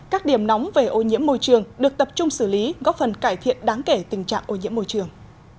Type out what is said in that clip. các điểm nóng về ô nhiễm môi trường được tập trung xử lý góp phần cải thiện đáng kể tình trạng ô nhiễm môi trường